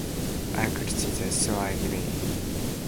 I could see that, so I gave in.